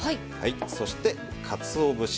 そしてかつお節。